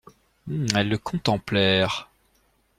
Elles le contemplèrent.